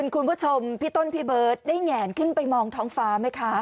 คุณผู้ชมพี่ต้นพี่เบิร์ตได้แงนขึ้นไปมองท้องฟ้าไหมคะ